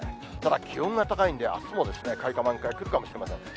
ただ、気温が高いんで、あすも開花満開、来るかもしれません。